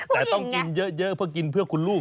แต่ต้องกินเยอะเพื่อกินเพื่อคุณลูก